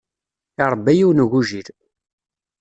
Iṛebba yiwen n ugujil.